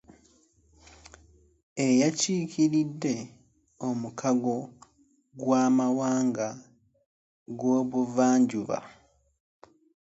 Eyakiikiridde omukago gw'amawanga g'obuvanjuba.